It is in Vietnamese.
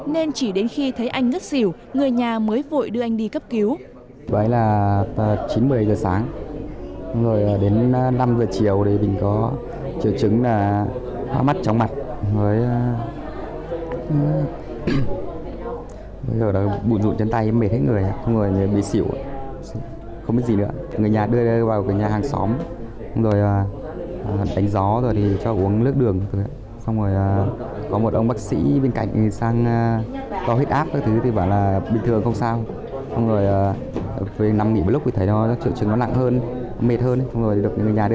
nên chỉ đến khi thấy anh ngất xỉu người nhà mới vội đưa anh đi cấp cứu